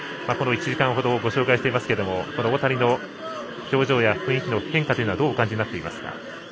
この１時間ほどご紹介していますが大谷の表情や雰囲気の変化というのはどうお感じになっていますか？